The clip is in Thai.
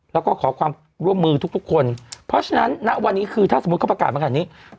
แล้วก็ขอความร่วมมือทุกทุกคนเพราะฉะนั้นณวันนี้คือถ้าสมมุติเขาประกาศมาขนาดนี้